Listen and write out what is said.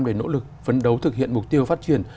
về nỗ lực phấn đấu thực hiện mục tiêu phát triển